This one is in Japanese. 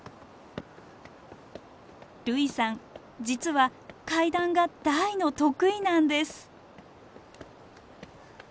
類さん実は階段が大の得意なんです。